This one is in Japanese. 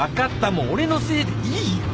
もう俺のせいでいいよ！